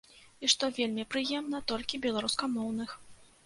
І што вельмі прыемна, толькі беларускамоўных.